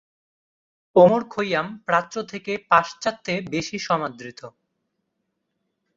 Omar Khayyam প্রাচ্য থেকে পাশ্চাত্যে বেশি সমাদৃত।